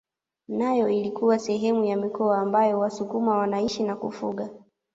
Nayo ilikuwa sehemu ya mikoa ambayo wasukuma wanaishi na kufuga